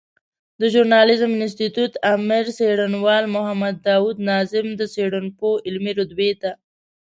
د ژورناليزم انستيتوت آمر څېړنوال محمد داود ناظم د څېړنپوه علمي رتبې ته